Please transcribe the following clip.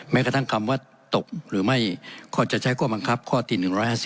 แม้กระทั่งคำว่าตกหรือไม่ก็จะใช้ข้อบังคับข้อที่๑๕๐